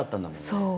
そう。